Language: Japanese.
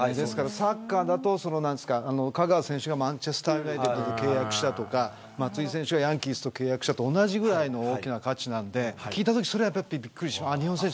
サッカーだと香川選手がマンチェスター・ユナイテッドと契約したとか松井選手がヤンキースと契約したと同じぐらいの大きな価値なんで聞いたときはびっくりしました。